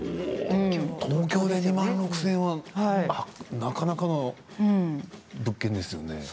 東京で２万６０００円はなかなかの物件ですよね。